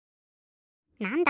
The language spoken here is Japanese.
なんだ？